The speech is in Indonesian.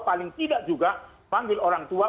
paling tidak juga manggil orang tua